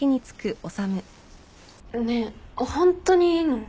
ねえホントにいいの？